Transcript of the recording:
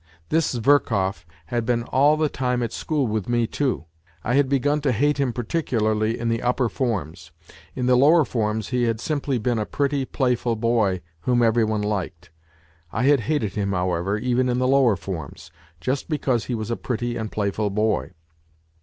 This Zverkov had been all the time at school with me too. I had begun to hate him particularly in the upper forms. In the lower forms he had simply been a pretty, playful boy whom everybody liked. I had hated him, however, even in the lower forms, just because he was a pretty and playful boy.